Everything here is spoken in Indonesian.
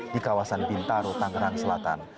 di kawasan bintaro tangerang selatan